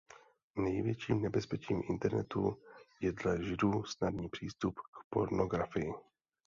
Největším nebezpečím internetu je dle židů snadný přístup k pornografii.